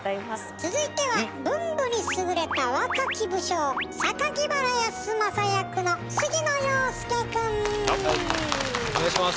続いては文武に優れた若き武将原康政役のはいお願いします！